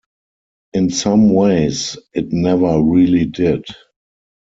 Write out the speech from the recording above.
In some ways, it never really did.